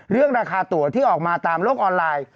ราคาตัวที่ออกมาตามโลกออนไลน์